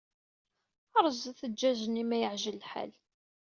Rẓet jjaj-nni ma yeɛǧel lḥal.